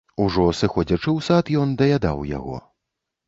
Ужо сыходзячы ў сад, ён даядаў яго.